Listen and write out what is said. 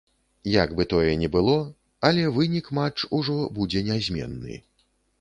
Як бы тое ні было, але вынік матч ужо будзе нязменны.